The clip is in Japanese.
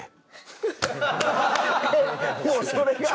えっもうそれが？